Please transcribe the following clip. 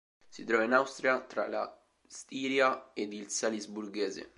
Si trova in Austria tra la Stiria ed il Salisburghese.